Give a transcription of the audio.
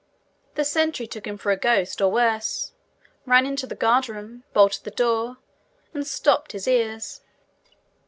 The sentry took him for a ghost or worse, ran into the guardroom, bolted the door, and stopped his ears.